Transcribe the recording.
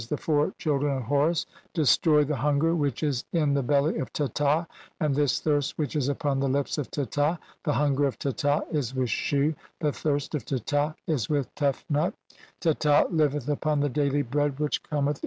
the four children of Horus) destroy 'the hunger which is in the belly of Teta, and this 'thirst which is upon the lips of Teta. The hunger '[of Teta] is with Shu, the thirst of Teta is with Tef 'nut ; Teta liveth upon the daily bread which cometh THE ELYS IAN FIELDS OR HEAVEN.